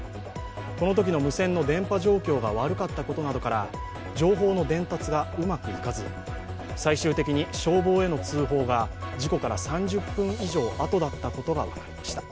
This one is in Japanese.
このときの無線の電波状況が悪かったことなどから情報の伝達がうまくいかず最終的に消防への通報が事故から３０分以上あとだったことが分かりました。